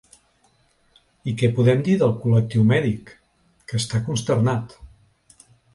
I què podem dir del col·lectiu mèdic, que està consternat.